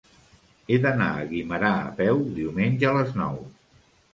He d'anar a Guimerà a peu diumenge a les nou.